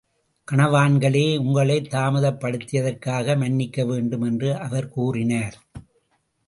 கனவான்களே, உங்களைத் தாமதப்படுத்தியதற்காக மன்னிக்க வேண்டும் என்று அவர் கூறினார்.